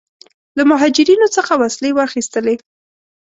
له مهاجرینو څخه وسلې واخیستلې.